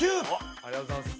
ありがとうございます。